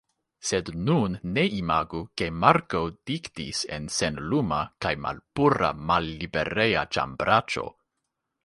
Sed nun ne imagu, ke Marko diktis en senluma kaj malpura mallibereja ĉambraĉo!